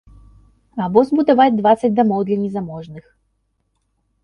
Або збудаваць дваццаць дамоў для незаможных.